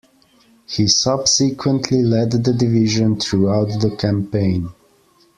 He subsequently led the division throughout the campaign.